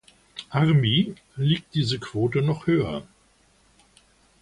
Army" liegt diese Quote noch höher.